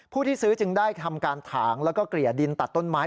ผู้ที่ซื้อจึงได้ทำการถางแล้วก็เกลี่ยดินตัดต้นไม้